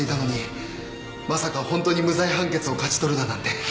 まさか本当に無罪判決を勝ち取るだなんて。